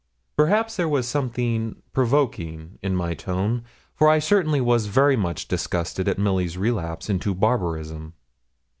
Perhaps there was something provoking in my tone, for I certainly was very much disgusted at Milly's relapse into barbarism.